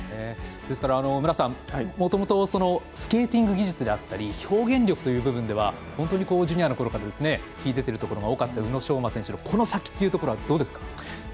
ですから、無良さんもともとスケーティング技術であったり表現力という部分では本当にジュニアのころから秀でているところが多かった宇野昌磨選手の先っていうところはどうですか？